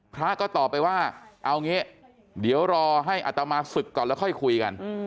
พระก็ตอบไปว่าเอางี้เดี๋ยวรอให้อัตมาศึกก่อนแล้วค่อยคุยกัน